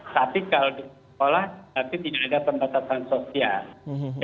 tapi kalau di sekolah tapi tidak ada pembatasan sosial